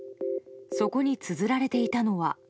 そこにつづられていたのは。